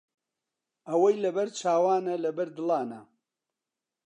ئەوەی لەبەر چاوانە، لەبەر دڵانە